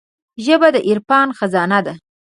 ژبه د عرفان خزانه ده